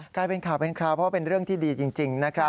กลายเป็นข่าวเป็นคลาวเพราะเป็นเรื่องที่ดีจริง